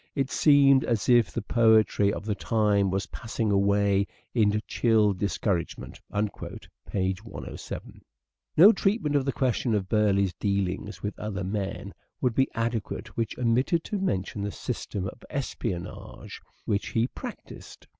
it seemed as if the poetry of the time was passing away in chill discouragement " (p. 107). EARLY MANHOOD OF EDWARD DE VERE 261 No treatment of the question of Burleigh's dealings Burieigh's with other men would be adequate which omitted to espl° mention the system of espionage which he practised.